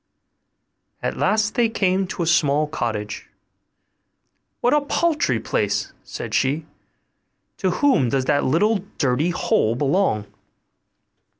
At last they came to a small cottage. 'What a paltry place!' said she; 'to whom does that little dirty hole belong?